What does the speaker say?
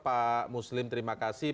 pak muslim terima kasih